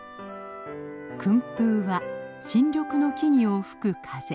「薫風」は新緑の木々を吹く風。